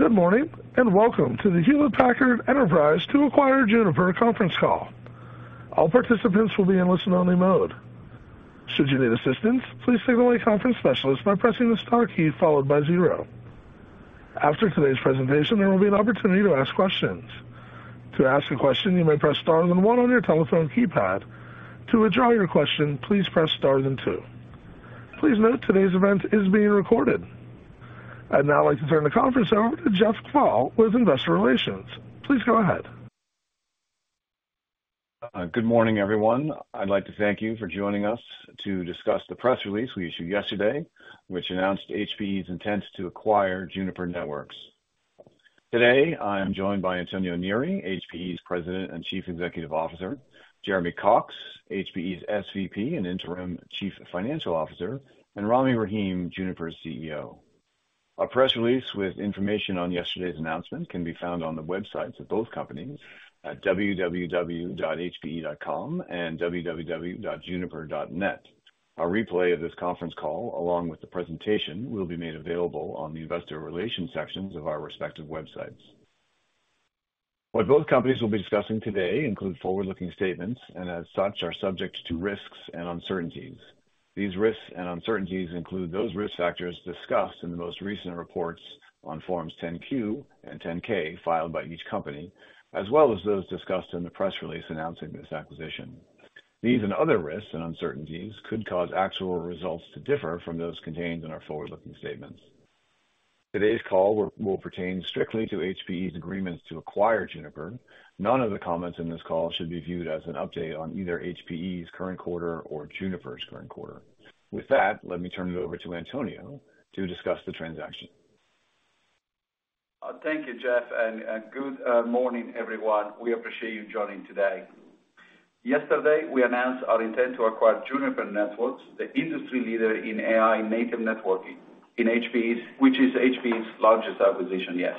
Good morning, and welcome to the Hewlett Packard Enterprise to acquire Juniper conference call. All participants will be in listen-only mode. Should you need assistance, please signal a conference specialist by pressing the star key followed by zero. After today's presentation, there will be an opportunity to ask questions. To ask a question, you may press star then one on your telephone keypad. To withdraw your question, please press star then two. Please note, today's event is being recorded. I'd now like to turn the conference over to Jeff Kvaal with Investor Relations. Please go ahead. Good morning, everyone. I'd like to thank you for joining us to discuss the press release we issued yesterday, which announced HPE's intent to acquire Juniper Networks. Today, I am joined by Antonio Neri, HPE's President and Chief Executive Officer, Jeremy Cox, HPE's SVP and Interim Chief Financial Officer, and Rami Rahim, Juniper's CEO. A press release with information on yesterday's announcement can be found on the websites of both companies at www.hpe.com and www.juniper.net. A replay of this conference call, along with the presentation, will be made available on the Investor Relations sections of our respective websites. What both companies will be discussing today include forward-looking statements and, as such, are subject to risks and uncertainties. These risks and uncertainties include those risk factors discussed in the most recent reports on Forms 10-Q and 10-K filed by each company, as well as those discussed in the press release announcing this acquisition. These and other risks and uncertainties could cause actual results to differ from those contained in our forward-looking statements. Today's call will pertain strictly to HPE's agreements to acquire Juniper. None of the comments in this call should be viewed as an update on either HPE's current quarter or Juniper's current quarter. With that, let me turn it over to Antonio to discuss the transaction. Thank you, Jeff, and good morning, everyone. We appreciate you joining today. Yesterday, we announced our intent to acquire Juniper Networks, the industry leader in AI-native networking, in HPE's, which is HPE's largest acquisition yet.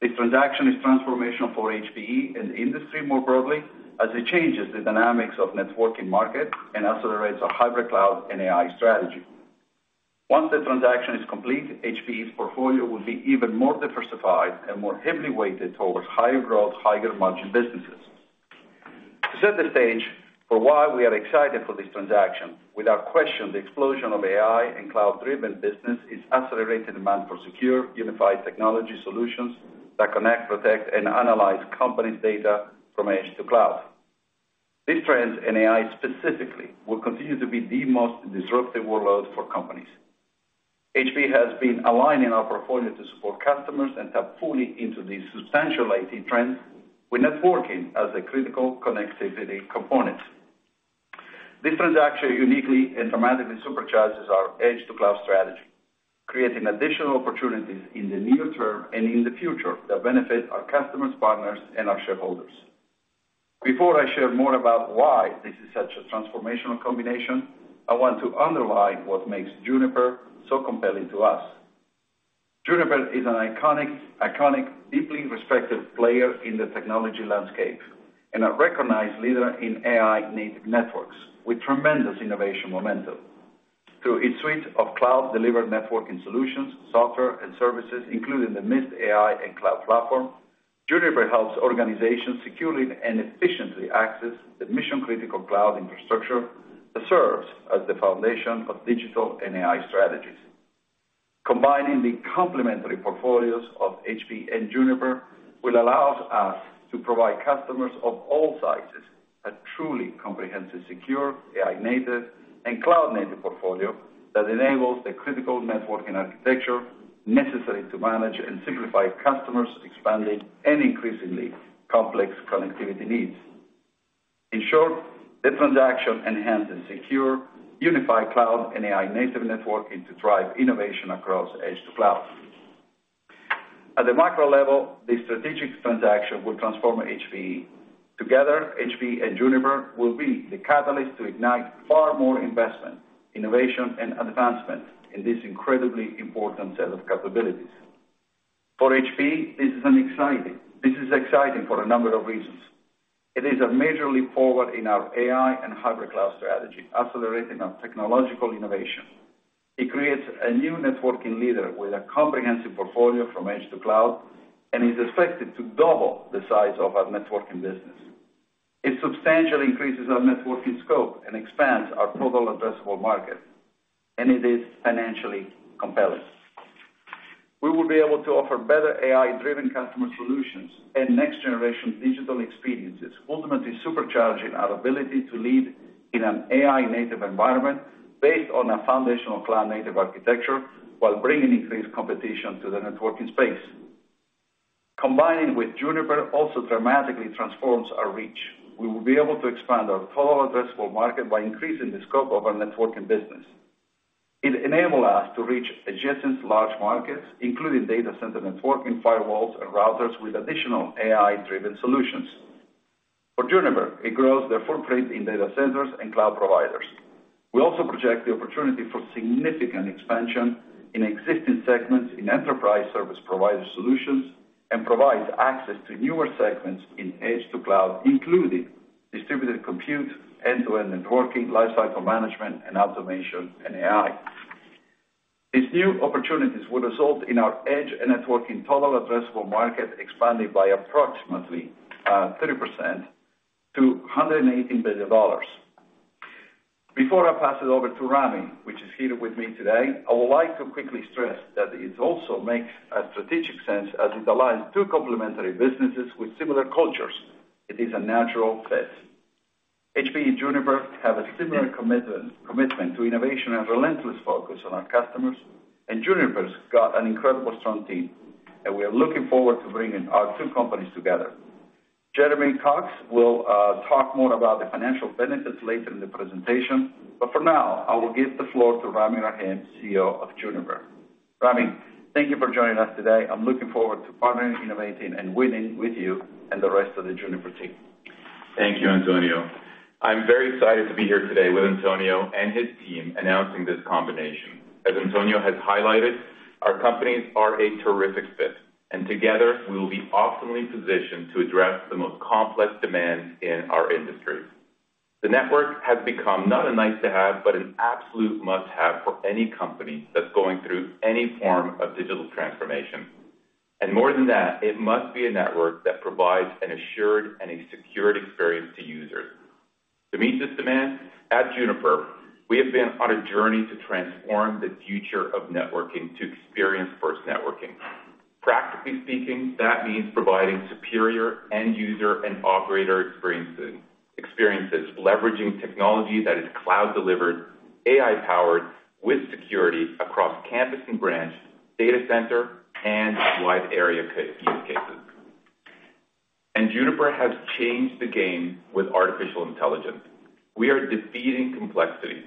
The transaction is transformational for HPE and the industry more broadly, as it changes the dynamics of networking market and accelerates our hybrid cloud and AI strategy. Once the transaction is complete, HPE's portfolio will be even more diversified and more heavily weighted towards higher growth, higher margin businesses. To set the stage for why we are excited for this transaction, without question, the explosion of AI and cloud-driven business is accelerated demand for secure, unified technology solutions that connect, protect, and analyze companies' data from edge to cloud. These trends in AI specifically, will continue to be the most disruptive workloads for companies. HPE has been aligning our portfolio to support customers and tap fully into these substantial IT trends with networking as a critical connectivity component. This transaction uniquely and dramatically supercharges our edge to cloud strategy, creating additional opportunities in the near term and in the future that benefit our customers, partners, and our shareholders. Before I share more about why this is such a transformational combination, I want to underline what makes Juniper so compelling to us. Juniper is an iconic, iconic, deeply respected player in the technology landscape and a recognized leader in AI-native networks, with tremendous innovation momentum. Through its suite of cloud-delivered networking solutions, software, and services, including the Mist AI and cloud platform, Juniper helps organizations securely and efficiently access the mission-critical cloud infrastructure that serves as the foundation of digital and AI strategies. Combining the complementary portfolios of HPE and Juniper will allow us to provide customers of all sizes a truly comprehensive, secure, AI-native, and cloud-native portfolio that enables the critical networking architecture necessary to manage and simplify customers' expanding and increasingly complex connectivity needs. In short, the transaction enhances secure, unified cloud and AI-native networking to drive innovation across edge to cloud. At the macro level, the strategic transaction will transform HPE. Together, HPE and Juniper will be the catalyst to ignite far more investment, innovation, and advancement in this incredibly important set of capabilities. For HPE, this is exciting for a number of reasons. It is a major leap forward in our AI and hybrid cloud strategy, accelerating our technological innovation. It creates a new networking leader with a comprehensive portfolio from edge to cloud, and is expected to double the size of our networking business. It substantially increases our networking scope and expands our total addressable market, and it is financially compelling. We will be able to offer better AI-driven customer solutions and next-generation digital experiences, ultimately supercharging our ability to lead in an AI-native environment based on a foundational cloud-native architecture, while bringing increased competition to the networking space. Combining with Juniper also dramatically transforms our reach. We will be able to expand our total addressable market by increasing the scope of our networking business. It enable us to reach adjacent large markets, including data center networking, firewalls, and routers with additional AI-driven solutions. For Juniper, it grows their footprint in data centers and cloud providers. We also project the opportunity for significant expansion in existing segments in enterprise service provider solutions and provides access to newer segments in edge to cloud, including distributed compute, end-to-end networking, lifecycle management, and automation, and AI. These new opportunities will result in our edge and networking total addressable market expanding by approximately 30% to $118 billion. Before I pass it over to Rami, which is here with me today, I would like to quickly stress that it also makes strategic sense, as it aligns two complementary businesses with similar cultures. It is a natural fit. HPE and Juniper have a similar commitment, commitment to innovation and relentless focus on our customers, and Juniper's got an incredible strong team, and we are looking forward to bringing our two companies together. Jeremy Cox will talk more about the financial benefits later in the presentation, but for now, I will give the floor to Rami Rahim, CEO of Juniper. Rami, thank you for joining us today. I'm looking forward to partnering, innovating, and winning with you and the rest of the Juniper team. Thank you, Antonio. I'm very excited to be here today with Antonio and his team, announcing this combination. As Antonio has highlighted, our companies are a terrific fit, and together, we will be optimally positioned to address the most complex demands in our industry. The network has become not a nice-to-have, but an absolute must-have for any company that's going through any form of digital transformation. More than that, it must be a network that provides an assured and a secured experience to users. To meet this demand, at Juniper, we have been on a journey to transform the future of networking to experience-first networking. Practically speaking, that means providing superior end user and operator experiences, experiences leveraging technology that is cloud delivered, AI powered, with security across campus and branch, data center, and wide area use cases. Juniper has changed the game with artificial intelligence. We are defeating complexity,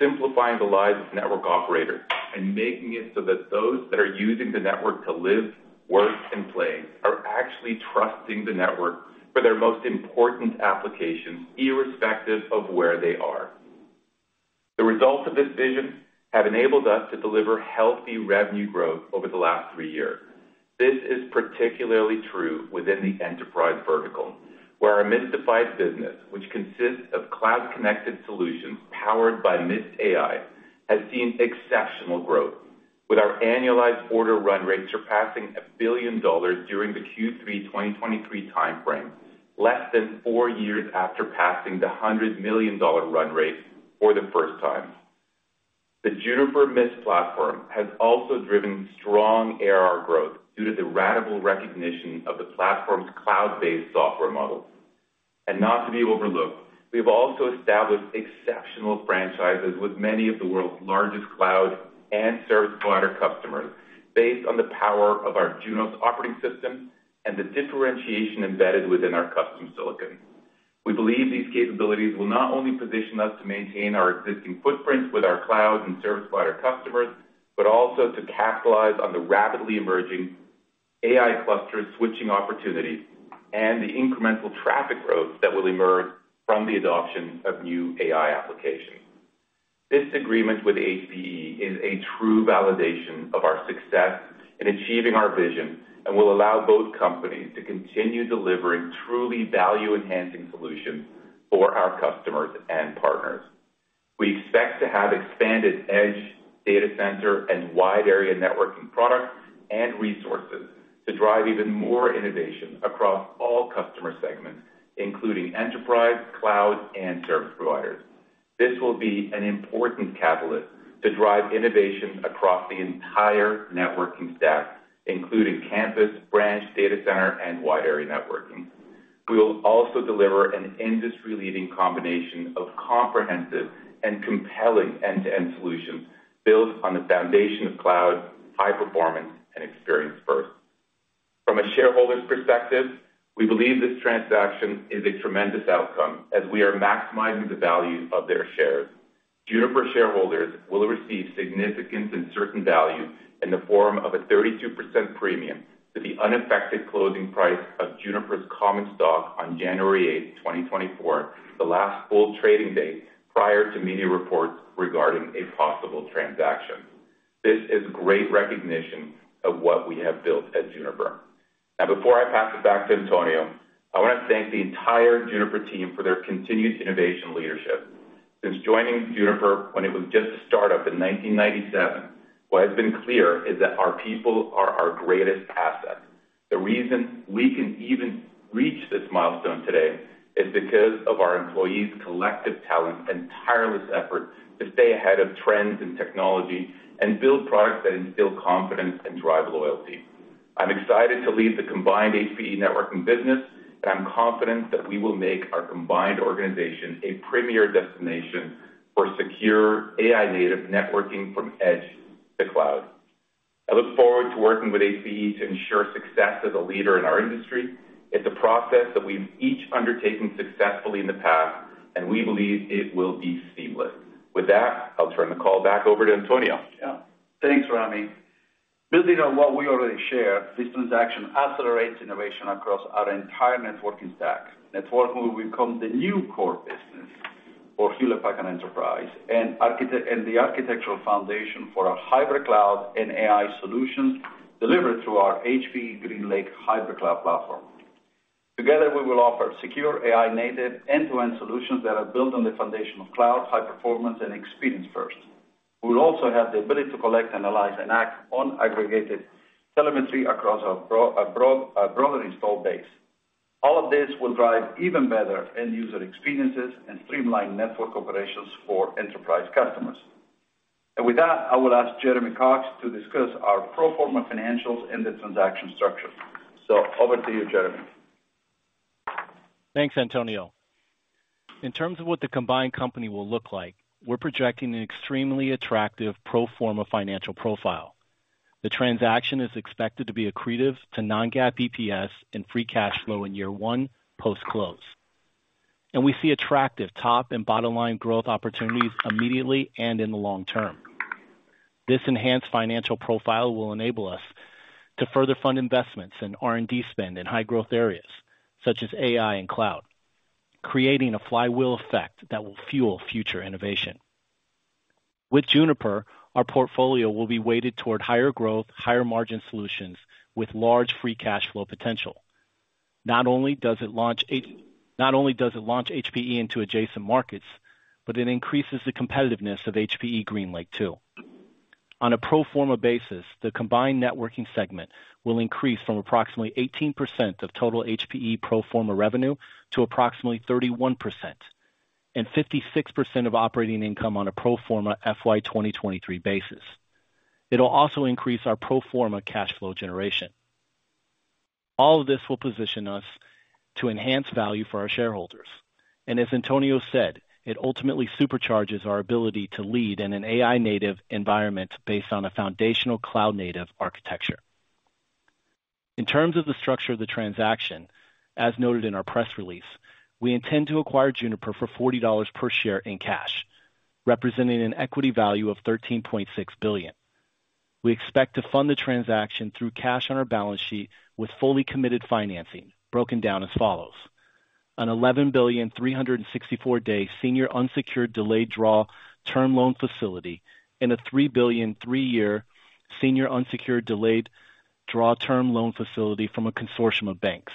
simplifying the lives of network operators, and making it so that those that are using the network to live, work, and play are actually trusting the network for their most important applications, irrespective of where they are. The results of this vision have enabled us to deliver healthy revenue growth over the last three years. This is particularly true within the enterprise vertical, where our Mist device business, which consists of cloud-connected solutions powered by Mist AI, has seen exceptional growth, with our annualized order run rate surpassing $1 billion during the Q3 2023 timeframe, less than four years after passing the $100 million run rate for the first time. The Juniper Mist platform has also driven strong ARR growth due to the radical recognition of the platform's cloud-based software model. Not to be overlooked, we've also established exceptional franchises with many of the world's largest cloud and service provider customers, based on the power of our Junos operating system and the differentiation embedded within our custom silicon. We believe these capabilities will not only position us to maintain our existing footprints with our cloud and service provider customers, but also to capitalize on the rapidly emerging AI cluster switching opportunities and the incremental traffic growth that will emerge from the adoption of new AI applications. This agreement with HPE is a true validation of our success in achieving our vision and will allow both companies to continue delivering truly value-enhancing solutions for our customers and partners. We expect to have expanded edge, data center, and wide area networking products and resources to drive even more innovation across all customer segments, including enterprise, cloud, and service providers. This will be an important catalyst to drive innovation across the entire networking stack, including campus, branch, data center, and wide area networking. We will also deliver an industry-leading combination of comprehensive and compelling end-to-end solutions built on the foundation of cloud, high performance, and experience first. From a shareholder's perspective, we believe this transaction is a tremendous outcome, as we are maximizing the value of their shares. Juniper shareholders will receive significant and certain value in the form of a 32% premium to the unaffected closing price of Juniper's common stock on January 8th, 2024, the last full trading day prior to media reports regarding a possible transaction. This is great recognition of what we have built at Juniper. Now, before I pass it back to Antonio, I want to thank the entire Juniper team for their continued innovation leadership. Since joining Juniper when it was just a start-up in 1997, what has been clear is that our people are our greatest asset. The reason we can even reach this milestone today is because of our employees' collective talent and tireless effort to stay ahead of trends and technology and build products that instill confidence and drive loyalty. I'm excited to lead the combined HPE networking business, and I'm confident that we will make our combined organization a premier destination for secure AI-native networking from edge to cloud. I look forward to working with HPE to ensure success as a leader in our industry. It's a process that we've each undertaken successfully in the past, and we believe it will be seamless. With that, I'll turn the call back over to Antonio. Yeah. Thanks, Rami. Building on what we already share, this transaction accelerates innovation across our entire networking stack. Networking will become the new core business for Hewlett Packard Enterprise and the architectural foundation for our hybrid cloud and AI solutions delivered through our HPE GreenLake hybrid cloud platform. Together, we will offer secure AI-native, end-to-end solutions that are built on the foundation of cloud, high performance, and experience first. We will also have the ability to collect, analyze, and act on aggregated telemetry across our broader install base. All of this will drive even better end user experiences and streamline network operations for enterprise customers. And with that, I will ask Jeremy Cox to discuss our pro forma financials and the transaction structure. So over to you, Jeremy. Thanks, Antonio. In terms of what the combined company will look like, we're projecting an extremely attractive pro forma financial profile. The transaction is expected to be accretive to non-GAAP EPS and free cash flow in year one, post-close. We see attractive top and bottom line growth opportunities immediately and in the long term. This enhanced financial profile will enable us to further fund investments in R&D spend in high growth areas, such as AI and cloud, creating a flywheel effect that will fuel future innovation. With Juniper, our portfolio will be weighted toward higher growth, higher margin solutions with large free cash flow potential. Not only does it launch HPE into adjacent markets, but it increases the competitiveness of HPE GreenLake, too. On a pro forma basis, the combined networking segment will increase from approximately 18% of total HPE pro forma revenue to approximately 31% and 56% of operating income on a pro forma FY 2023 basis. It'll also increase our pro forma cash flow generation. All of this will position us to enhance value for our shareholders. As Antonio said, it ultimately supercharges our ability to lead in an AI-native environment based on a foundational cloud-native architecture. In terms of the structure of the transaction, as noted in our press release, we intend to acquire Juniper for $40 per share in cash, representing an equity value of $13.6 billion. We expect to fund the transaction through cash on our balance sheet with fully committed financing, broken down as follows: a $11 billion 364-day senior unsecured delayed draw term loan facility, and a $3 billion three-year senior unsecured delayed draw term loan facility from a consortium of banks.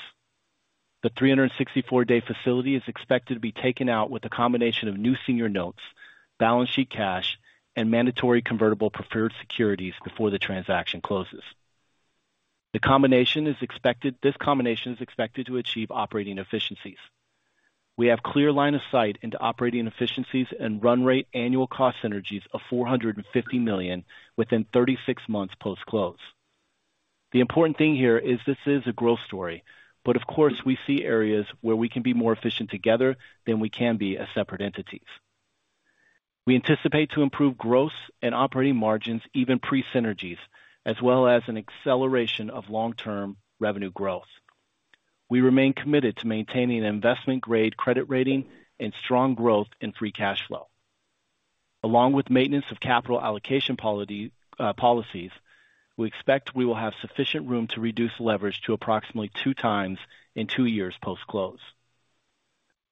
The 364-day facility is expected to be taken out with a combination of new senior notes, balance sheet cash, and mandatory convertible preferred securities before the transaction closes. The combination is expected, this combination is expected to achieve operating efficiencies. We have clear line of sight into operating efficiencies and run rate annual cost synergies of $450 million within 36 months post-close. The important thing here is this is a growth story, but of course, we see areas where we can be more efficient together than we can be as separate entities. We anticipate to improve gross and operating margins, even pre-synergies, as well as an acceleration of long-term revenue growth. We remain committed to maintaining an investment-grade credit rating and strong growth in free cash flow. Along with maintenance of capital allocation policy, policies, we expect we will have sufficient room to reduce leverage to approximately 2x in two years post-close.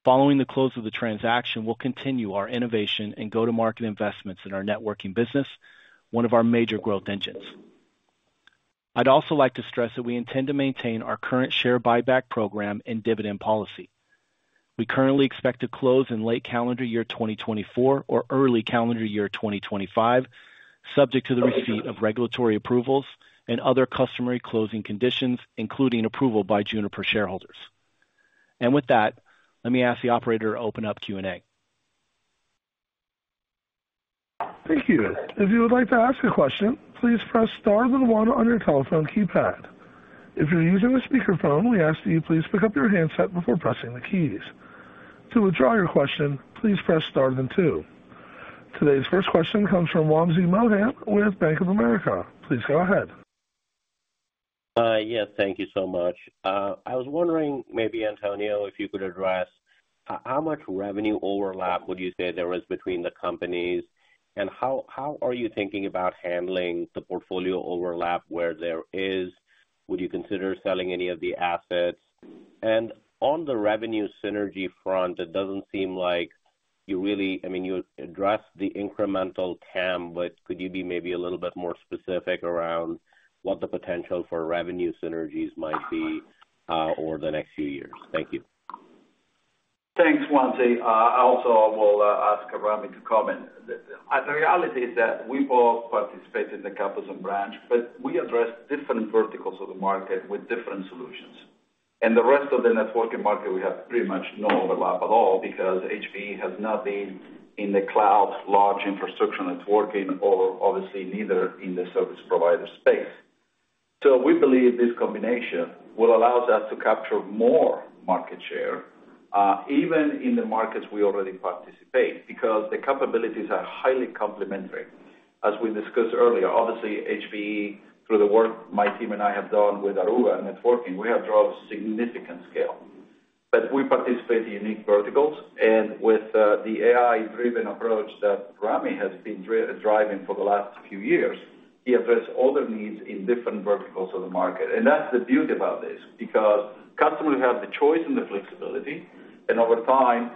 Following the close of the transaction, we'll continue our innovation and go-to-market investments in our networking business, one of our major growth engines. I'd also like to stress that we intend to maintain our current share buyback program and dividend policy. We currently expect to close in late calendar year 2024 or early calendar year 2025, subject to the receipt of regulatory approvals and other customary closing conditions, including approval by Juniper shareholders. And with that, let me ask the operator to open up Q&A. Thank you. If you would like to ask a question, please press star then one on your telephone keypad. If you're using a speakerphone, we ask that you please pick up your handset before pressing the keys. To withdraw your question, please press star then two. Today's first question comes from Wamsi Mohan with Bank of America. Please go ahead. Yes, thank you so much. I was wondering, maybe, Antonio, if you could address, how much revenue overlap would you say there is between the companies, and how are you thinking about handling the portfolio overlap where there is? Would you consider selling any of the assets? And on the revenue synergy front, it doesn't seem like you really, I mean, you addressed the incremental TAM, but could you be maybe a little bit more specific around what the potential for revenue synergies might be, over the next few years? Thank you. Thanks, Wamsi. I also will ask Rami to comment. The reality is that we both participate in the campus and branch, but we address different verticals of the market with different solutions. And the rest of the networking market, we have pretty much no overlap at all because HPE has not been in the cloud large infrastructure networking or obviously neither in the service provider space. So we believe this combination will allow us to capture more market share, even in the markets we already participate, because the capabilities are highly complementary. As we discussed earlier, obviously, HPE, through the work my team and I have done with Aruba Networking, we have drove significant scale. But we participate in unique verticals, and with the AI-driven approach that Rami has been driving for the last few years, he address all the needs in different verticals of the market. And that's the beauty about this, because customers have the choice and the flexibility, and over time,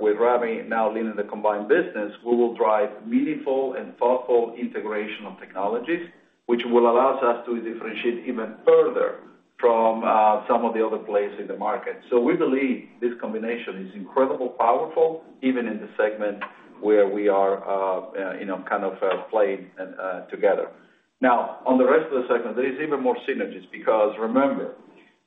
with Rami now leading the combined business, we will drive meaningful and thoughtful integration of technologies, which will allow us to differentiate even further from some of the other players in the market. So we believe this combination is incredibly powerful, even in the segment where we are, you know, kind of playing together. Now, on the rest of the segment, there is even more synergies, because remember,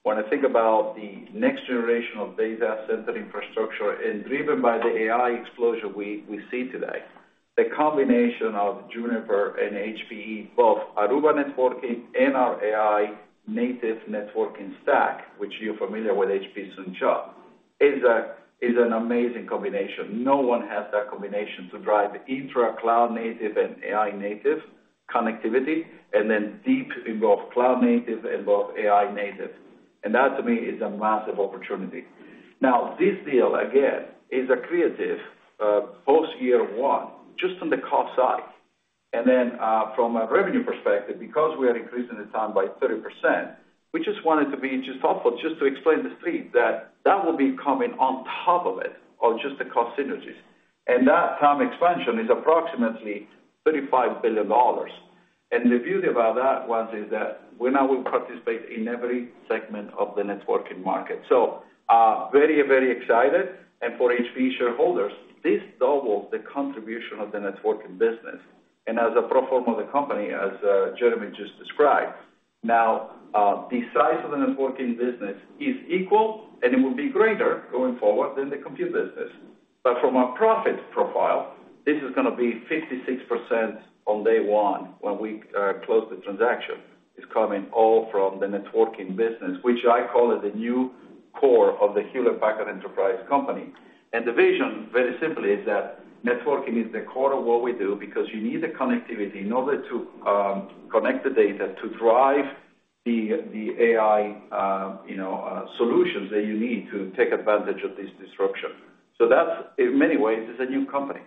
when I think about the next generation of data center infrastructure and driven by the AI explosion we see today, the combination of Juniper and HPE, both Aruba Networking and our AI-native networking stack, which you're familiar with, HPE Slingshot, is an amazing combination. No one has that combination to drive intra-cloud native and AI-native connectivity, and then deep in both cloud native and both AI native. And that, to me, is a massive opportunity. Now, this deal, again, is accretive post year one, just on the cost side. And then, from a revenue perspective, because we are increasing the TAM by 30%, we just wanted to be just helpful, just to explain the street, that that will be coming on top of it, of just the cost synergies. That TAM expansion is approximately $35 billion. The beauty about that one is that we now will participate in every segment of the networking market. So, very, very excited. For HPE shareholders, this doubles the contribution of the networking business. As a pro forma of the company, as Jeremy just described, now, the size of the networking business is equal, and it will be greater going forward than the compute business. But from a profit profile, this is gonna be 56% on day one, when we close the transaction. It's coming all from the networking business, which I call it the new core of the Hewlett Packard Enterprise Company. And the vision, very simply, is that networking is the core of what we do, because you need the connectivity in order to connect the data to drive the AI, you know, solutions that you need to take advantage of this disruption. So that's, in many ways, is a new company.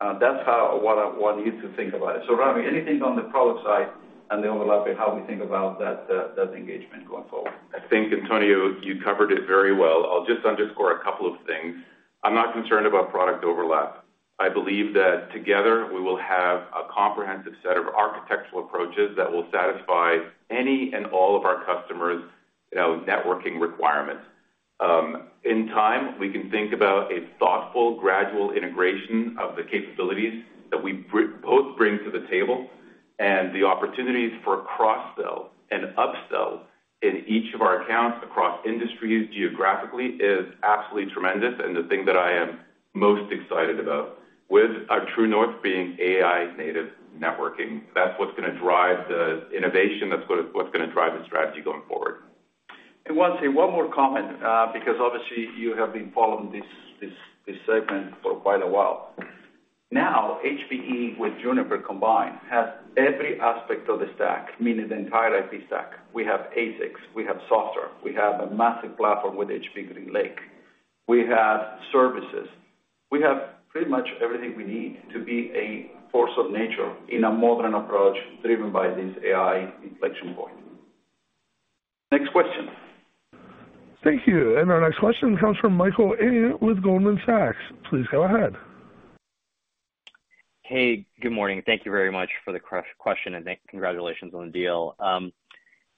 That's how what I want you to think about it. So Rami, anything on the product side and the overlap and how we think about that, that engagement going forward? I think, Antonio, you covered it very well. I'll just underscore a couple of things. I'm not concerned about product overlap. I believe that together, we will have a comprehensive set of architectural approaches that will satisfy any and all of our customers', you know, networking requirements. In time, we can think about a thoughtful, gradual integration of the capabilities that we both bring to the table, and the opportunities for cross-sell and upsell in each of our accounts across industries, geographically, is absolutely tremendous, and the thing that I am most excited about, with our true north being AI-native networking. That's what's gonna drive the innovation, that's what, what's gonna drive the strategy going forward. I want to say one more comment, because obviously, you have been following this segment for quite a while. Now, HPE with Juniper combined, has every aspect of the stack, meaning the entire IP stack. We have ASICs, we have software, we have a massive platform with HPE GreenLake. We have services. We have pretty much everything we need to be a force of nature in a modern approach driven by this AI inflection point. Next question. Thank you. And our next question comes from Michael Ng with Goldman Sachs. Please go ahead. Hey, good morning. Thank you very much for the question, and congratulations on the deal.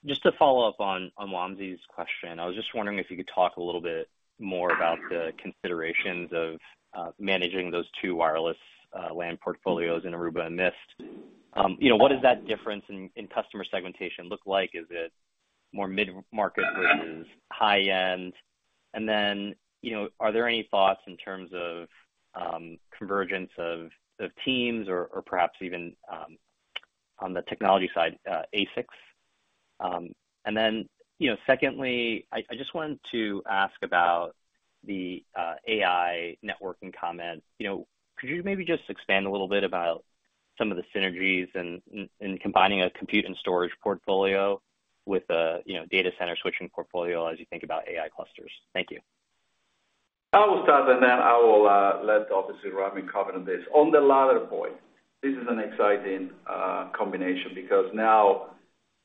Just to follow up on Wamsi's question, I was just wondering if you could talk a little bit more about the considerations of managing those two wireless LAN portfolios in Aruba and Mist. You know, what does that difference in customer segmentation look like? Is it more mid-market versus high-end? And then, you know, are there any thoughts in terms of convergence of teams or perhaps even on the technology side, ASICs? And then, you know, secondly, I just wanted to ask about the AI networking comment. You know, could you maybe just expand a little bit about some of the synergies in combining a compute and storage portfolio with a, you know, data center switching portfolio as you think about AI clusters? Thank you. I will start, and then I will let obviously Rami comment on this. On the latter point, this is an exciting combination, because now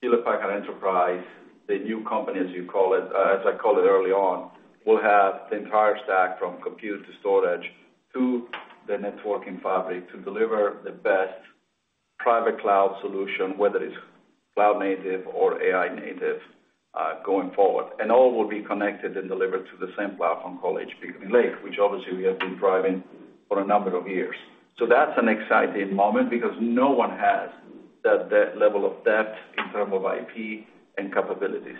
Hewlett Packard Enterprise, the new company, as you call it, as I called it early on, will have the entire stack, from compute to storage to the networking fabric, to deliver the best private cloud solution, whether it's cloud-native or AI-native, going forward. And all will be connected and delivered to the same platform called HPE GreenLake, which obviously we have been driving for a number of years. So that's an exciting moment, because no one has that level of depth in terms of IP and capabilities.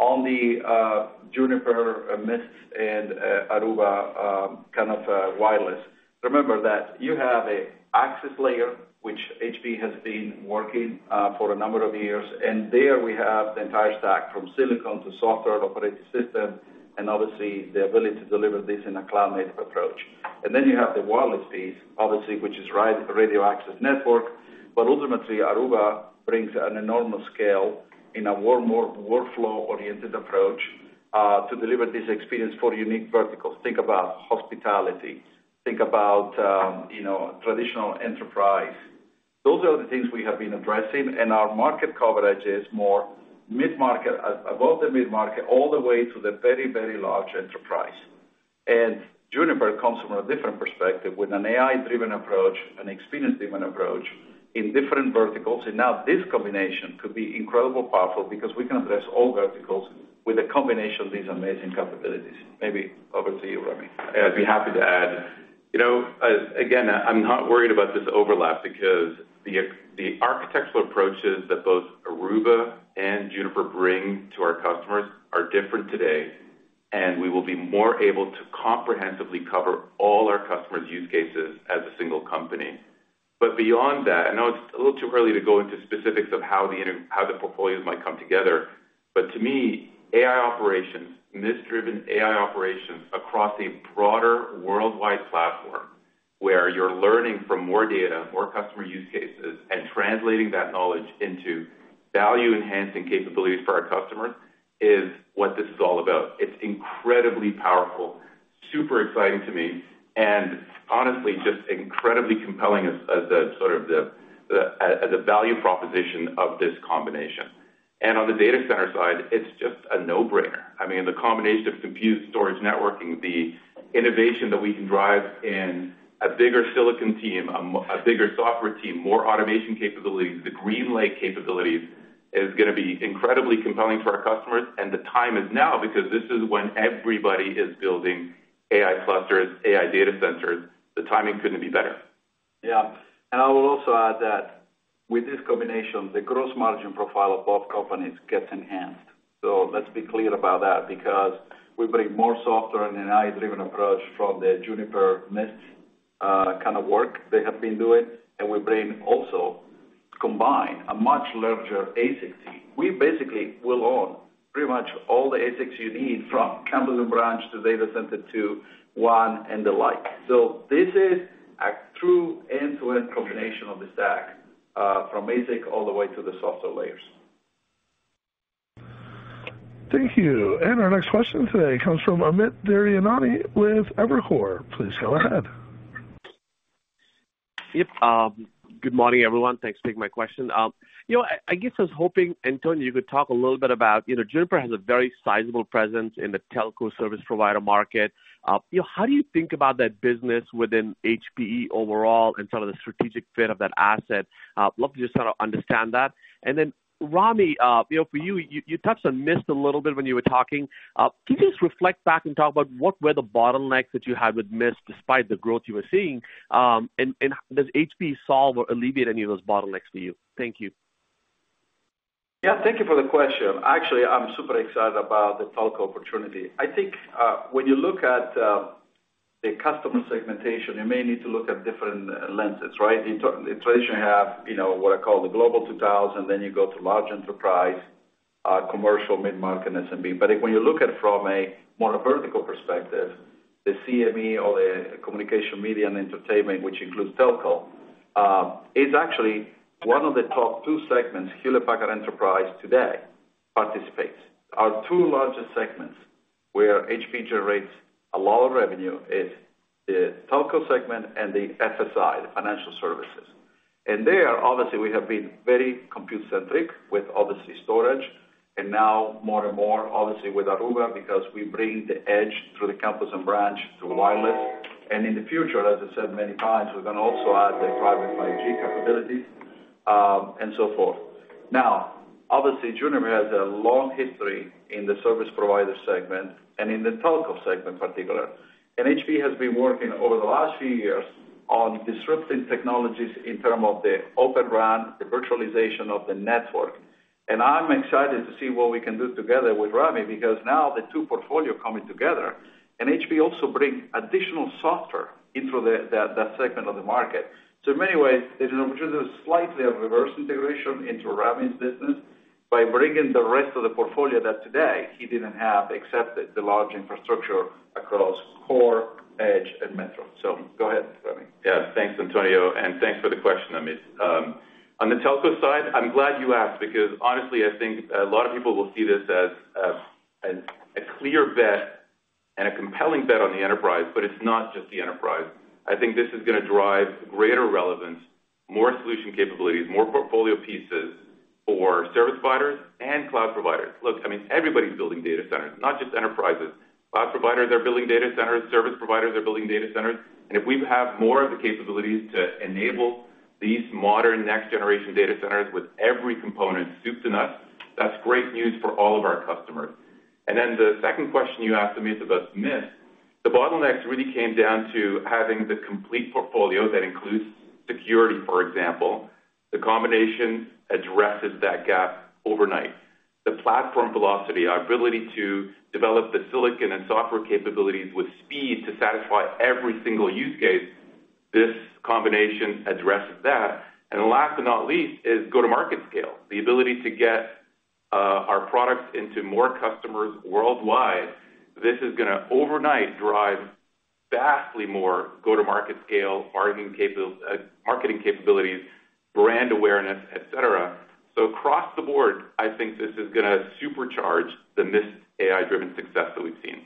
On the Juniper, Mist, and Aruba kind of wireless, remember that you have an access layer, which HPE has been working for a number of years, and there we have the entire stack, from silicon to software and operating system, and obviously, the ability to deliver this in a cloud-native approach. And then you have the wireless piece, obviously, which is private radio access network. But ultimately, Aruba brings an enormous scale in a workflow-oriented approach to deliver this experience for unique verticals. Think about hospitality, think about traditional enterprise. Those are the things we have been addressing, and our market coverage is more mid-market, above the mid-market, all the way to the very, very large enterprise. And Juniper comes from a different perspective, with an AI-driven approach, an experience-driven approach in different verticals. And now this combination could be incredibly powerful because we can address all verticals with a combination of these amazing capabilities. Maybe over to you, Rami. I'd be happy to add. You know, again, I'm not worried about this overlap because the architectural approaches that both Aruba and Juniper bring to our customers are different today, and we will be more able to comprehensively cover all our customers' use cases as a single company. But beyond that, I know it's a little too early to go into specifics of how the portfolios might come together. But to me, AI operations, Mist-driven AI operations across a broader worldwide platform, where you're learning from more data, more customer use cases, and translating that knowledge into value-enhancing capabilities for our customers, is what this is all about. It's incredibly powerful, super exciting to me, and honestly, just incredibly compelling as the sort of the as a value proposition of this combination. And on the data center side, it's just a no-brainer. I mean, the combination of compute, storage, networking, the innovation that we can drive in a bigger silicon team, a bigger software team, more automation capabilities, the GreenLake capabilities, is gonna be incredibly compelling for our customers. And the time is now, because this is when everybody is building AI clusters, AI data centers. The timing couldn't be better. Yeah. And I will also add that with this combination, the gross margin profile of both companies gets enhanced. So let's be clear about that, because we bring more software and an AI-driven approach from the Juniper Mist kind of work they have been doing. And we bring also, combined, a much larger ASIC team. We basically will own pretty much all the ASICs you need, from campus and branch to data center to WAN and the like. So this is a true end-to-end combination of the stack from ASIC all the way to the software layers. Thank you. And our next question today comes from Amit Daryanani with Evercore. Please go ahead. Yep, good morning, everyone. Thanks for taking my question. You know, I, I guess I was hoping, Antonio, you could talk a little bit about, you know, Juniper has a very sizable presence in the telco service provider market. You know, how do you think about that business within HPE overall and sort of the strategic fit of that asset? I'd love to just sort of understand that. And then, Rami, you know, for you, you, you touched on Mist a little bit when you were talking. Can you just reflect back and talk about what were the bottlenecks that you had with Mist, despite the growth you were seeing? And, and does HPE solve or alleviate any of those bottlenecks for you? Thank you. Yeah, thank you for the question. Actually, I'm super excited about the telco opportunity. I think, when you look at, the customer segmentation, you may need to look at different lenses, right? You traditionally have, you know, what I call the Global 2000, then you go to large enterprise, commercial, mid-market, and SMB. But if when you look at from a more vertical perspective, the CME or the communication, media, and entertainment, which includes telco, is actually one of the top two segments Hewlett Packard Enterprise today participates. Our two largest segments, where HPE generates a lot of revenue, is the telco segment and the FSI, the financial services. And there, obviously, we have been very compute-centric with, obviously, storage, and now more and more, obviously, with Aruba, because we bring the edge through the campus and branch to wireless. And in the future, as I said many times, we're going to also add the private 5G capabilities, and so forth. Now, obviously, Juniper has a long history in the service provider segment and in the telco segment, in particular. And HPE has been working over the last few years on disrupting technologies in term of the Open RAN, the virtualization of the network. And I'm excited to see what we can do together with Rami, because now the two portfolio coming together, and HPE also bring additional software into the that segment of the market. So in many ways, it is slightly a reverse integration into Rami's business by bringing the rest of the portfolio that today he didn't have, except the large infrastructure across core, edge, and metro. So go ahead, Rami. Yeah. Thanks, Antonio, and thanks for the question, Amit. On the telco side, I'm glad you asked, because honestly, I think a lot of people will see this as a clear bet and a compelling bet on the enterprise, but it's not just the enterprise. I think this is gonna drive greater relevance, more solution capabilities, more portfolio pieces for service providers and cloud providers. Look, I mean, everybody's building data centers, not just enterprises. Cloud providers are building data centers, service providers are building data centers, and if we have more of the capabilities to enable these modern, next-generation data centers with every component soup to nuts, that's great news for all of our customers. And then the second question you asked, Amit, about Mist. The bottlenecks really came down to having the complete portfolio that includes security, for example. The combination addresses that gap overnight. The platform velocity, our ability to develop the silicon and software capabilities with speed to satisfy every single use case, this combination addresses that. And last but not least, is go-to-market scale. The ability to get, our products into more customers worldwide, this is gonna overnight drive vastly more go-to-market scale, marketing capabilities, brand awareness, et cetera. So across the board, I think this is gonna supercharge the Mist AI-driven success that we've seen.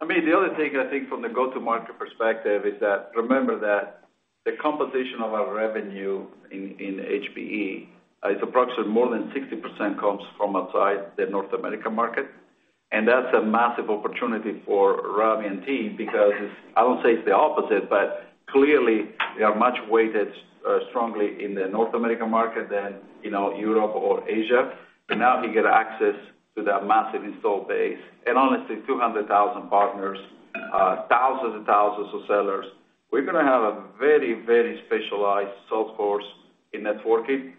I mean, the other thing, I think from the go-to-market perspective is that, remember that the composition of our revenue in, in HPE, is approximately more than 60% comes from outside the North America market. And that's a massive opportunity for Rami and team, because I won't say it's the opposite, but clearly, we are much weighted, strongly in the North American market than, you know, Europe or Asia. But now we get access to that massive install base and honestly, 200,000 partners, thousands and thousands of sellers. We're going to have a very, very specialized sales force in networking,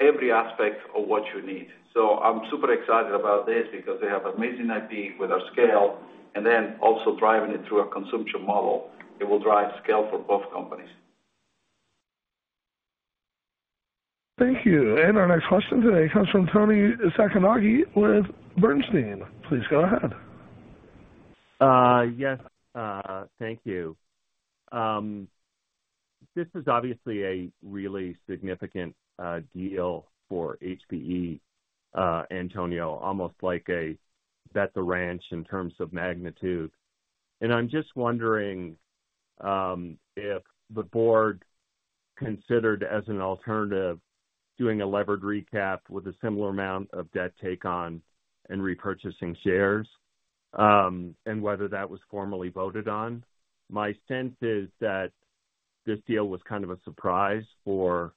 every aspect of what you need. So I'm super excited about this because they have amazing IP with our scale, and then also driving it through a consumption model. It will drive scale for both companies. Thank you. Our next question today comes from Toni Sacconaghi with Bernstein. Please go ahead. Yes, thank you. This is obviously a really significant deal for HPE, Antonio, almost like a bet the ranch in terms of magnitude. I'm just wondering if the board considered as an alternative, doing a levered recap with a similar amount of debt take on and repurchasing shares, and whether that was formally voted on. My sense is that this deal was kind of a surprise for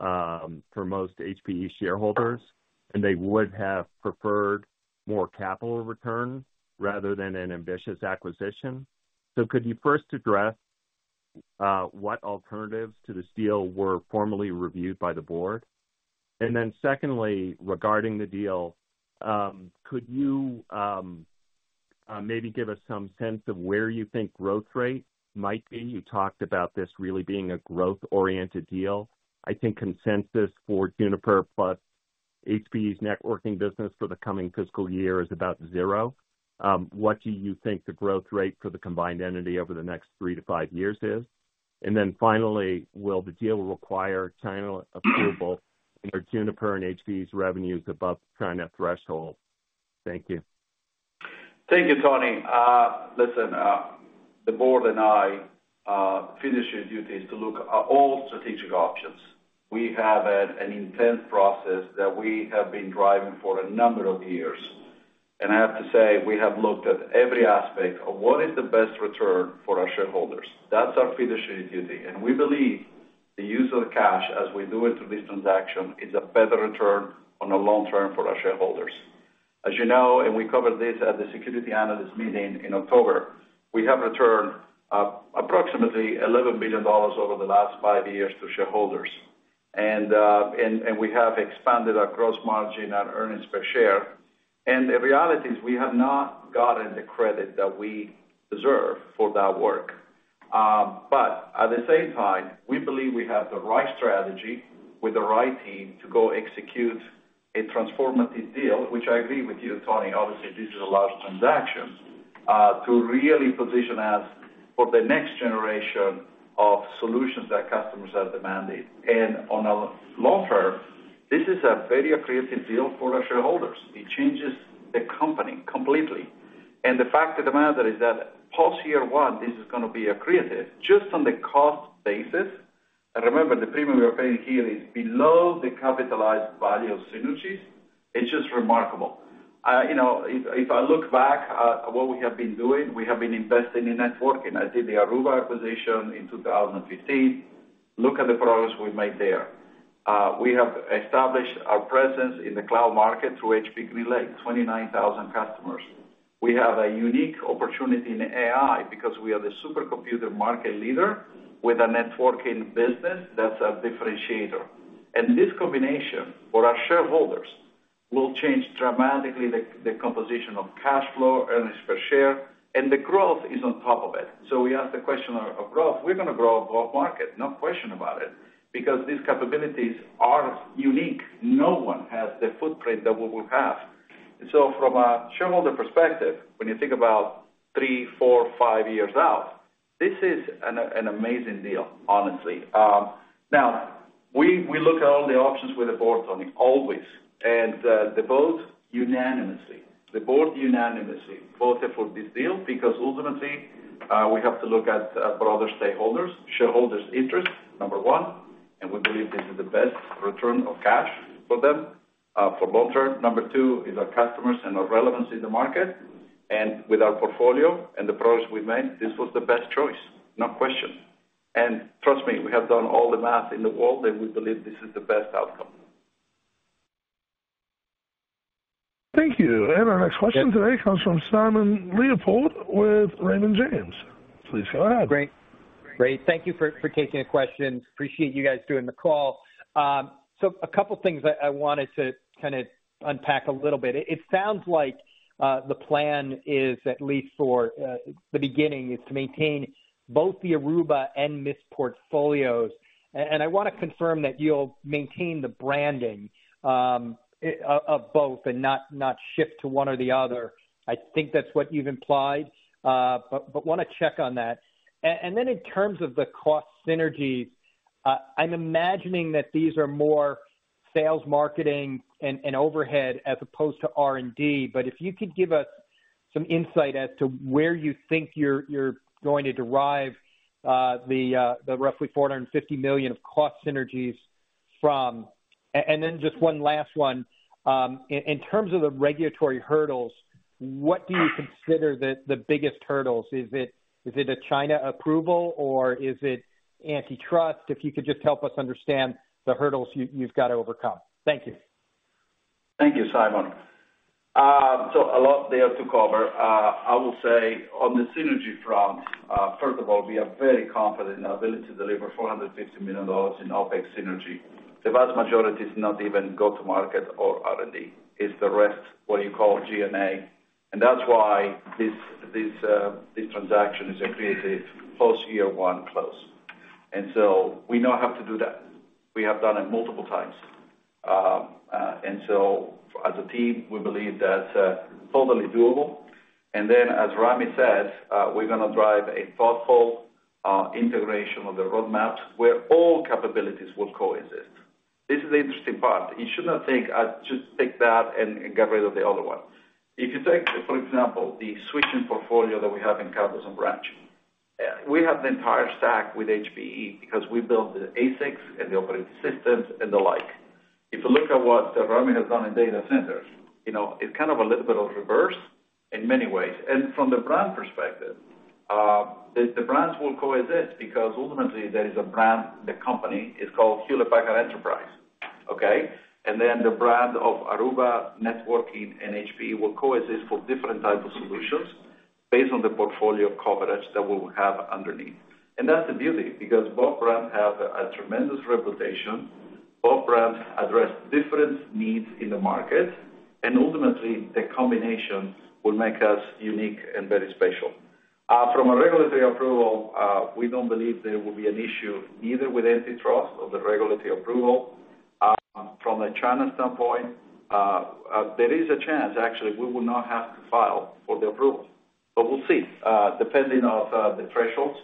most HPE shareholders, and they would have preferred more capital return rather than an ambitious acquisition. Could you first address what alternatives to this deal were formally reviewed by the board? And then secondly, regarding the deal, could you maybe give us some sense of where you think growth rate might be? You talked about this really being a growth-oriented deal. I think consensus for Juniper plus HPE's networking business for the coming fiscal year is about zero. What do you think the growth rate for the combined entity over the next three to five years is? And then finally, will the deal require China approval for Juniper and HPE's revenues above China threshold? Thank you. Thank you, Toni. Listen, the board and I, fiduciary duty is to look at all strategic options. We have had an intense process that we have been driving for a number of years, and I have to say, we have looked at every aspect of what is the best return for our shareholders. That's our fiduciary duty, and we believe the use of the cash as we do it through this transaction, is a better return on the long term for our shareholders. As you know, and we covered this at the Securities Analyst Meeting in October, we have returned approximately $11 billion over the last five years to shareholders. And we have expanded our gross margin and earnings per share. And the reality is, we have not gotten the credit that we deserve for that work. But at the same time, we believe we have the right strategy with the right team to go execute a transformative deal, which I agree with you, Toni. Obviously, this is a large transaction to really position us for the next generation of solutions that customers have demanded. And on a long term, this is a very accretive deal for our shareholders. It changes the company completely. And the fact of the matter is that post year one, this is going to be accretive just on the cost basis. And remember, the premium we are paying here is below the capitalized value of synergies. It's just remarkable. You know, if I look back at what we have been doing, we have been investing in networking. I did the Aruba acquisition in 2015. Look at the progress we made there. We have established our presence in the cloud market through HPE GreenLake, 29,000 customers. We have a unique opportunity in AI because we are the supercomputer market leader with a networking business that's a differentiator. This combination for our shareholders will change dramatically the composition of cash flow, earnings per share, and the growth is on top of it. So we ask the question of growth. We're going to grow above market, no question about it, because these capabilities are unique. No one has the footprint that we would have. So from a shareholder perspective, when you think about three, four, five years out, this is an amazing deal, honestly. Now we look at all the options with the board, Toni, always. They vote unanimously. The board unanimously voted for this deal because ultimately, we have to look at, for other stakeholders, shareholders interest, number one, and we believe this is the best return of cash for them, for long term. Number two is our customers and our relevance in the market. And with our portfolio and the progress we've made, this was the best choice, no question. And trust me, we have done all the math in the world, and we believe this is the best outcome. Thank you. Our next question today comes from Simon Leopold with Raymond James. Please go ahead. Great. Great, thank you for taking the question. Appreciate you guys doing the call. So a couple of things I wanted to kind of unpack a little bit. It sounds like the plan is, at least for the beginning, to maintain both the Aruba and Mist portfolios. And I want to confirm that you'll maintain the branding of both and not shift to one or the other. I think that's what you've implied, but want to check on that. And then in terms of the cost synergies, I'm imagining that these are more sales, marketing, and overhead as opposed to R&D. But if you could give us some insight as to where you think you're going to derive the roughly $450 million of cost synergies from. And then just one last one. In terms of the regulatory hurdles, what do you consider the biggest hurdles? Is it a China approval or is it antitrust? If you could just help us understand the hurdles you've got to overcome. Thank you. Thank you, Simon. So a lot there to cover. I will say on the synergy front, first of all, we are very confident in our ability to deliver $450 million in OpEx synergy. The vast majority is not even go-to-market or R&D. It's the rest, what you call G&A, and that's why this, this, this transaction is accretive post year one close. And so we know how to do that. We have done it multiple times. And so as a team, we believe that's totally doable. And then, as Rami says, we're going to drive a thoughtful integration of the roadmaps where all capabilities will coexist. This is the interesting part. You should not think I just take that and, and get rid of the other one. If you take, for example, the switching portfolio that we have in campus and branch, we have the entire stack with HPE because we built the ASICs and the operating systems and the like. If you look at what Rami has done in data centers, you know, it's kind of a little bit of reverse in many ways. And from the brand perspective, the brands will coexist because ultimately there is a brand, the company is called Hewlett Packard Enterprise, okay? And then the brand of Aruba Networking in HPE will coexist for different types of solutions based on the portfolio coverage that we will have underneath. And that's the beauty, because both brands have a tremendous reputation. Both brands address different needs in the market, and ultimately, the combination will make us unique and very special. From a regulatory approval, we don't believe there will be an issue either with antitrust or the regulatory approval. From a China standpoint, there is a chance, actually, we will not have to file for the approval, but we'll see, depending on the thresholds.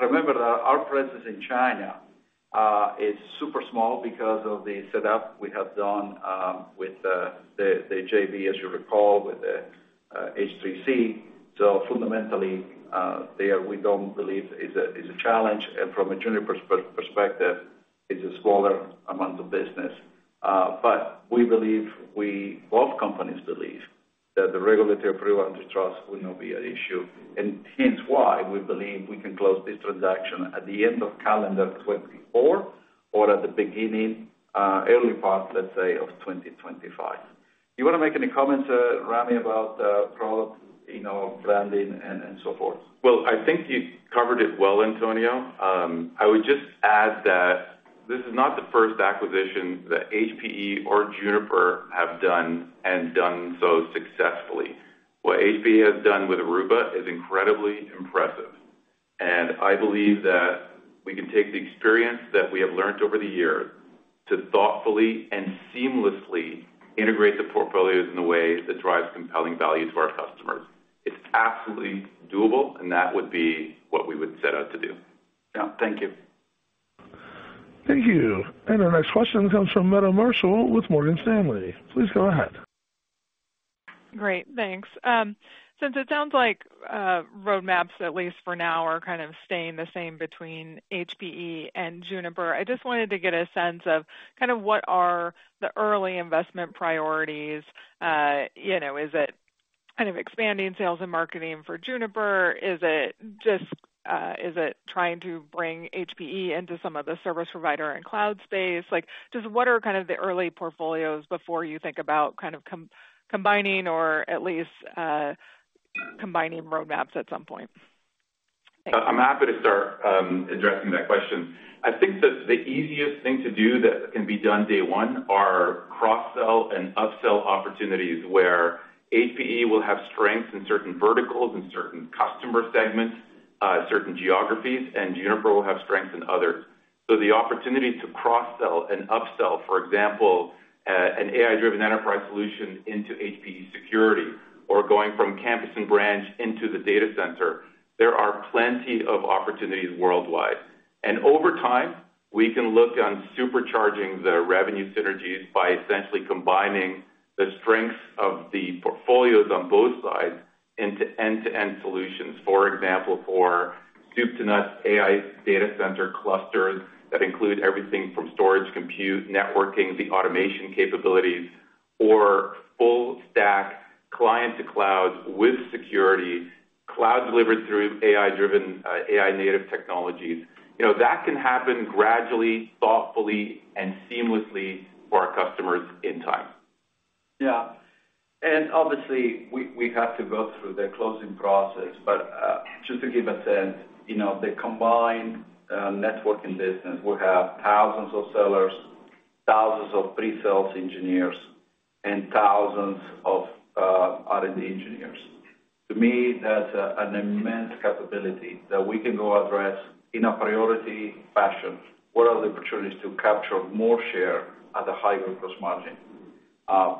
Remember that our presence in China is super small because of the setup we have done, with the JV, as you recall, with the H3C. So fundamentally, there, we don't believe is a challenge, and from a Juniper perspective, it's a smaller amount of business. But we believe we, both companies believe that the regulatory approval antitrust will not be at issue, and hence why we believe we can close this transaction at the end of calendar 2024 or at the beginning, early part, let's say, of 2025. You want to make any comments, Rami, about product, you know, branding and so forth? Well, I think you covered it well, Antonio. I would just add that this is not the first acquisition that HPE or Juniper have done and done so successfully. What HPE has done with Aruba is incredibly impressive, and I believe that we can take the experience that we have learned over the years to thoughtfully and seamlessly integrate the portfolios in a way that drives compelling value to our customers. It's absolutely doable, and that would be what we would set out to do. Yeah. Thank you. Thank you. Our next question comes from Meta Marshall with Morgan Stanley. Please go ahead. Great, thanks. Since it sounds like roadmaps, at least for now, are kind of staying the same between HPE and Juniper, I just wanted to get a sense of kind of what are the early investment priorities. You know, is it kind of expanding sales and marketing for Juniper? Is it just, is it trying to bring HPE into some of the service provider and cloud space? Like, just what are kind of the early portfolios before you think about kind of combining or at least combining roadmaps at some point? I'm happy to start addressing that question. I think that the easiest thing to do that can be done day one are cross-sell and upsell opportunities, where HPE will have strengths in certain verticals and certain customer segments, certain geographies, and Juniper will have strengths in others. So the opportunity to cross-sell and upsell, for example, an AI-driven enterprise solution into HPE security or going from campus and branch into the data center, there are plenty of opportunities worldwide. Over time, we can look on supercharging the revenue synergies by essentially combining the strengths of the portfolios on both sides into end-to-end solutions. For example, for soup to nuts AI data center clusters that include everything from storage, compute, networking, the automation capabilities, or full stack client to cloud with security, cloud delivered through AI-driven, AI-native technologies. You know, that can happen gradually, thoughtfully, and seamlessly for our customers in time. Yeah. And obviously, we have to go through the closing process. But just to give a sense, you know, the combined networking business will have thousands of sellers, thousands of pre-sales engineers, and thousands of R&D engineers. To me, that's an immense capability that we can go address in a priority fashion, where are the opportunities to capture more share at a higher gross margin?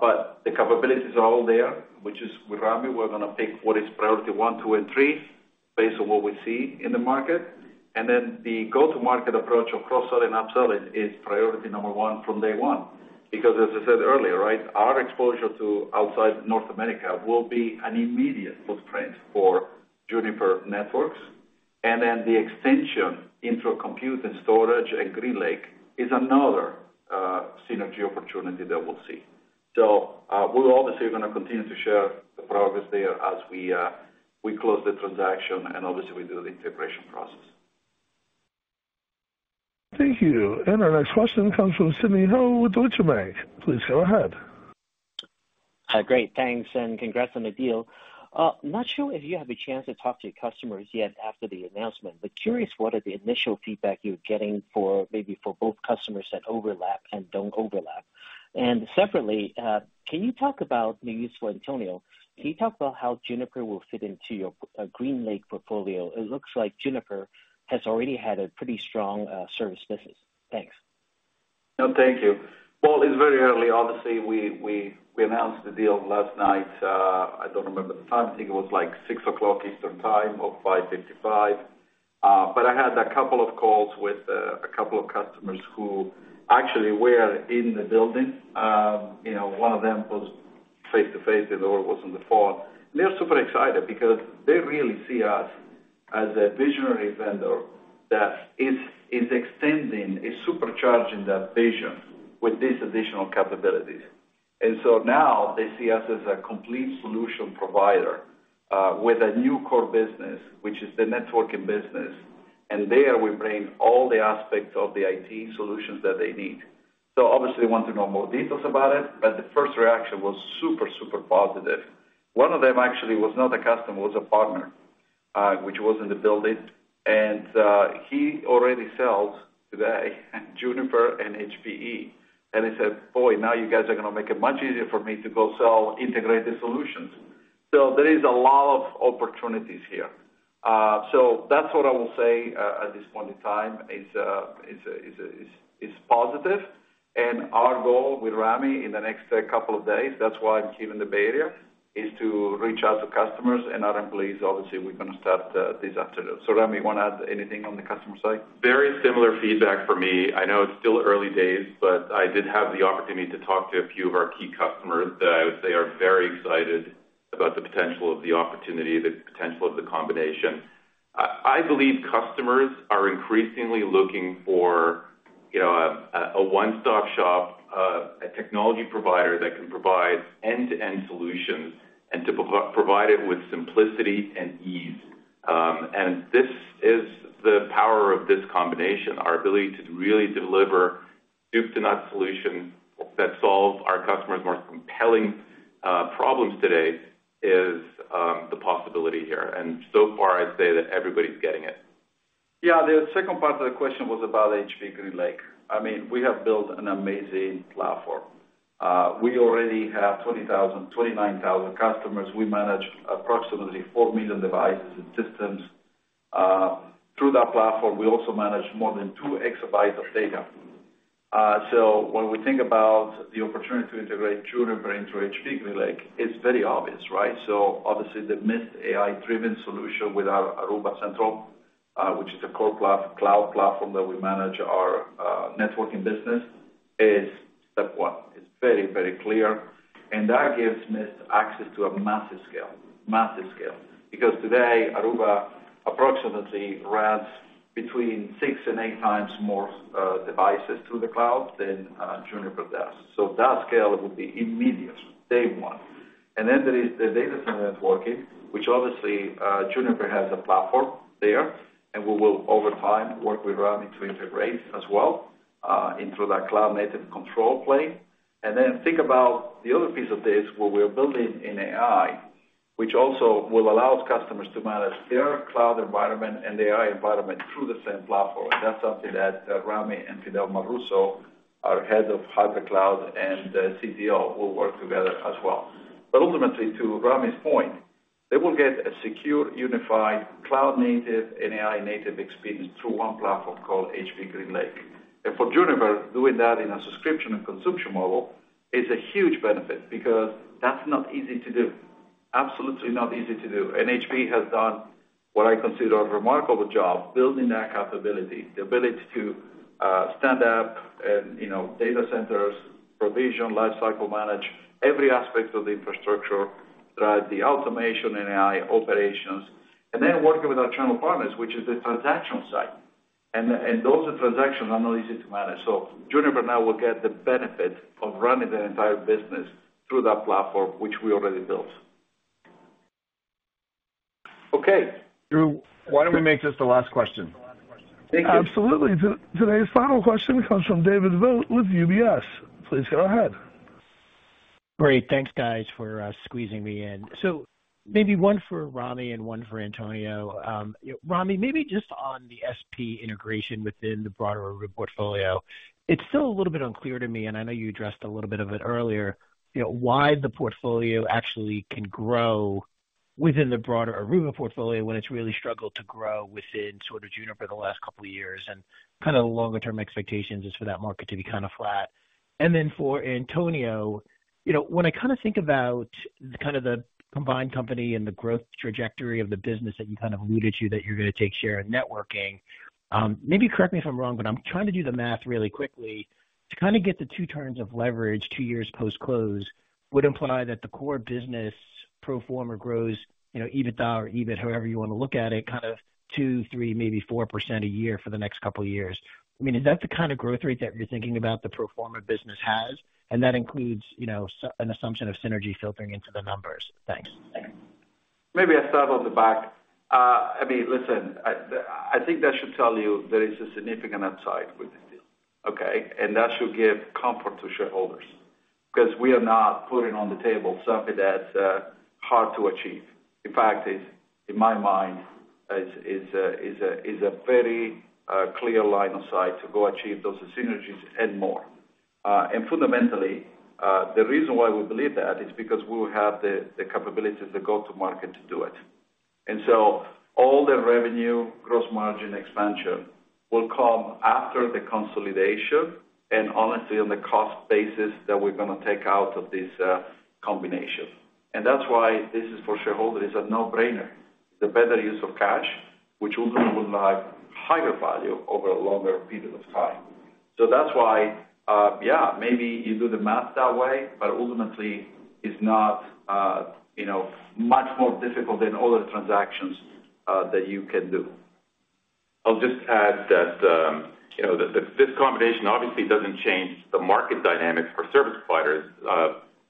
But the capabilities are all there, which is with Rami, we're gonna pick what is priority one, two, and three based on what we see in the market. And then the go-to-market approach of cross-sell and up-sell is priority number one from day one. Because as I said earlier, right, our exposure to outside North America will be an immediate footprint for Juniper Networks, and then the extension into compute and storage and GreenLake is another, synergy opportunity that we'll see. So, we're obviously gonna continue to share the progress there as we, we close the transaction and obviously we do the integration process. Thank you. Our next question comes from Sidney Ho with Deutsche Bank. Please go ahead. Hi. Great, thanks, and congrats on the deal. Not sure if you have a chance to talk to your customers yet after the announcement, but curious, what are the initial feedback you're getting for maybe for both customers that overlap and don't overlap? And separately, can you talk about, maybe this is for Antonio, can you talk about how Juniper will fit into your GreenLake portfolio? It looks like Juniper has already had a pretty strong service business. Thanks. No, thank you. Well, it's very early. Obviously, we announced the deal last night. I don't remember the time. I think it was like 6:00 Eastern Time or 5:55. But I had a couple of calls with a couple of customers who actually were in the building. You know, one of them was face-to-face, the other was on the phone. They're super excited because they really see us as a visionary vendor that is extending, supercharging that vision with these additional capabilities. And so now they see us as a complete solution provider with a new core business, which is the networking business, and there we bring all the aspects of the IT solutions that they need. So obviously, they want to know more details about it, but the first reaction was super, super positive. One of them actually was not a customer, was a partner, which was in the building, and he already sells today, Juniper and HPE. And he said, "Boy, now you guys are gonna make it much easier for me to go sell integrated solutions." So there is a lot of opportunities here. So that's what I will say, at this point in time, it's positive. And our goal with Rami in the next couple of days, that's why I'm here in the Bay Area, is to reach out to customers and other employees. Obviously, we're gonna start this afternoon. So, Rami, you want to add anything on the customer side? Very similar feedback for me. I know it's still early days, but I did have the opportunity to talk to a few of our key customers that I would say are very excited about the potential of the opportunity, the potential of the combination. I believe customers are increasingly looking for, you know, a one-stop shop, a technology provider that can provide end-to-end solutions and to provide it with simplicity and ease. And this is the power of this combination. Our ability to really deliver soup to nut solutions that solve our customers' most compelling problems today is the possibility here. And so far, I'd say that everybody's getting it. Yeah. The second part of the question was about HPE GreenLake. I mean, we have built an amazing platform. We already have 20,000, 29,000 customers. We manage approximately four million devices and systems. Through that platform, we also manage more than 2 EB of data. So when we think about the opportunity to integrate Juniper into HPE GreenLake, it's very obvious, right? So obviously, the Mist AI-driven solution with our Aruba Central, which is a core cloud platform that we manage our networking business, is step one. It's very, very clear, and that gives Mist access to a massive scale. Massive scale. Because today, Aruba approximately runs between six and eight times more devices through the cloud than Juniper does. So that scale will be immediate, day one. And then there is the data center networking, which obviously, Juniper has a platform there, and we will, over time, work with Rami to integrate as well, into that cloud-native control plane. And then think about the other piece of this, where we are building in AI, which also will allow customers to manage their cloud environment and AI environment through the same platform. That's something that, Rami and Fidelma Russo, our Head of Hybrid Cloud and, CTO, will work together as well. But ultimately, to Rami's point, they will get a secure, unified, cloud-native and AI-native experience through one platform called HPE GreenLake. And for Juniper, doing that in a subscription and consumption model is a huge benefit because that's not easy to do. Absolutely not easy to do. HPE has done what I consider a remarkable job building that capability, the ability to stand up and, you know, data centers, provision, lifecycle manage every aspect of the infrastructure, drive the automation and AI operations, and then working with our channel partners, which is the transactional side. And those transactions are not easy to manage. Juniper now will get the benefit of running the entire business through that platform, which we already built. Okay. Drew, why don't we make this the last question? Absolutely. Today's final question comes from David Vogt with UBS. Please go ahead. Great. Thanks, guys, for squeezing me in. So maybe one for Rami and one for Antonio. Rami, maybe just on the SP integration within the broader Aruba portfolio, it's still a little bit unclear to me, and I know you addressed a little bit of it earlier, you know, why the portfolio actually can grow within the broader Aruba portfolio, when it's really struggled to grow within sort of Juniper the last couple of years, and kind of the longer term expectations is for that market to be kind of flat. And then for Antonio, you know, when I kind of think about the kind of the combined company and the growth trajectory of the business that you kind of alluded to, that you're going to take share in networking, maybe correct me if I'm wrong, but I'm trying to do the math really quickly. To kind of get the two turns of leverage, two years post-close, would imply that the core business pro forma grows, you know, EBITDA or EBIT, however you want to look at it, kind of 2%, 3%, maybe 4% a year for the next couple of years. I mean, is that the kind of growth rate that you're thinking about the pro forma business has, and that includes, you know, an assumption of synergy filtering into the numbers? Thanks. Maybe I'll start on the back. I mean, listen, I think that should tell you there is a significant upside with the deal, okay? And that should give comfort to shareholders, 'cause we are not putting on the table something that's hard to achieve. In fact, in my mind, it is a very clear line of sight to go achieve those synergies and more. And fundamentally, the reason why we believe that is because we will have the capability, the go-to-market to do it. And so all the revenue gross margin expansion will come after the consolidation, and honestly, on the cost basis that we're going to take out of this combination. And that's why this is for shareholders, a no-brainer. The better use of cash, which ultimately will drive higher value over a longer period of time. So that's why, yeah, maybe you do the math that way, but ultimately, it's not, you know, much more difficult than other transactions, that you can do. I'll just add that, you know, that this combination obviously doesn't change the market dynamics for service providers.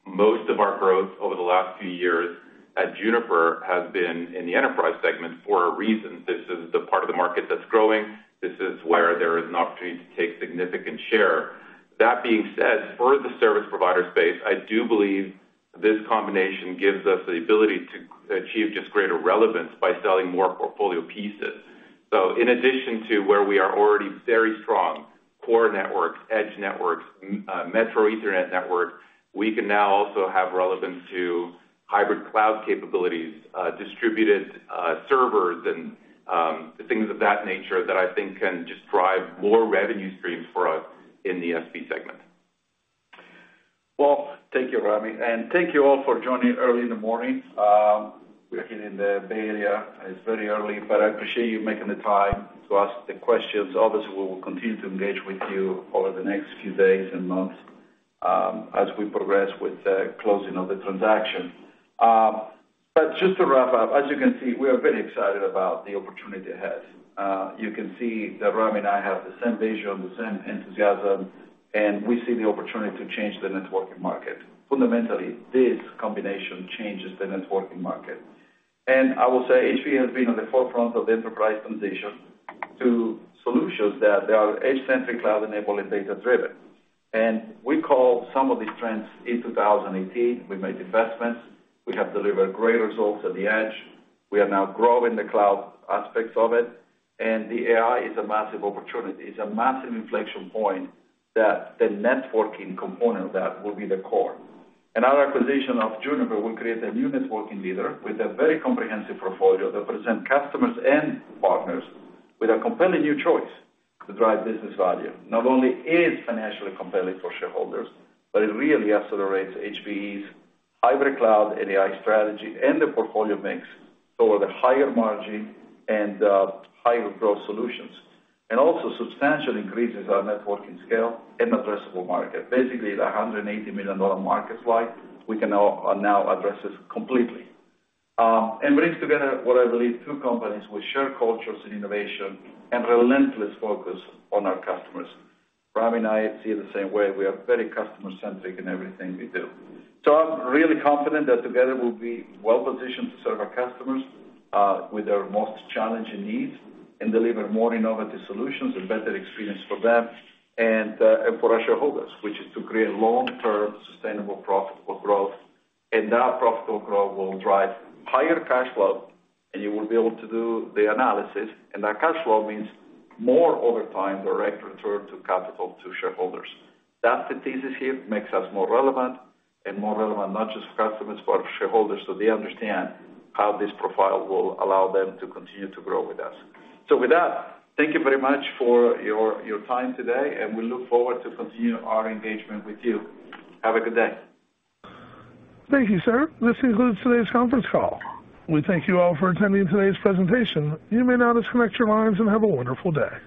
Most of our growth over the last few years at Juniper has been in the enterprise segment for a reason. This is the part of the market that's growing. This is where there is an opportunity to take significant share. That being said, for the service provider space, I do believe this combination gives us the ability to achieve just greater relevance by selling more portfolio pieces. So in addition to where we are already very strong, core networks, edge networks, Metro Ethernet network, we can now also have relevance to hybrid cloud capabilities, distributed servers and things of that nature, that I think can just drive more revenue streams for us in the SP segment. Well, thank you, Rami, and thank you all for joining early in the morning. We are here in the Bay Area. It's very early, but I appreciate you making the time to ask the questions. Obviously, we will continue to engage with you over the next few days and months, as we progress with the closing of the transaction. But just to wrap up, as you can see, we are very excited about the opportunity ahead. You can see that Rami and I have the same vision, the same enthusiasm, and we see the opportunity to change the networking market. Fundamentally, this combination changes the networking market. I will say HPE has been on the forefront of the enterprise transition to solutions that are edge-centric, cloud-enabled and data-driven. We call some of these trends in 2018. We made investments. We have delivered great results at the edge. We are now growing the cloud aspects of it, and the AI is a massive opportunity. It's a massive inflection point that the networking component of that will be the core. And our acquisition of Juniper will create a new networking leader with a very comprehensive portfolio that present customers and partners with a completely new choice to drive business value. Not only is financially compelling for shareholders, but it really accelerates HPE's hybrid cloud and AI strategy and the portfolio mix toward the higher margin and higher growth solutions, and also substantially increases our networking scale and addressable market. Basically, the $180 million market slide, we can now address this completely. And brings together what I believe, two companies with shared cultures and innovation and relentless focus on our customers. Rami and I see it the same way. We are very customer-centric in everything we do. So I'm really confident that together we'll be well positioned to serve our customers with their most challenging needs and deliver more innovative solutions and better experience for them and, and for our shareholders, which is to create long-term, sustainable, profitable growth. And that profitable growth will drive higher cash flow, and you will be able to do the analysis. And that cash flow means more over time, direct return to capital to shareholders. That's the thesis here, makes us more relevant, and more relevant, not just for customers, but for shareholders, so they understand how this profile will allow them to continue to grow with us. So with that, thank you very much for your time today, and we look forward to continue our engagement with you. Have a good day. Thank you, sir. This concludes today's conference call. We thank you all for attending today's presentation. You may now disconnect your lines and have a wonderful day.